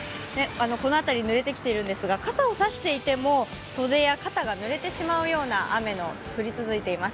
この辺りぬれてきているんですが、傘を差していても袖や肩がぬれてしまうような雨が降り続いています。